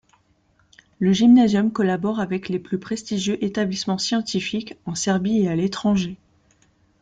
Le Gymnasium collabore avec les plus prestigieux établissements scientifiques en Serbie et à l'étranger.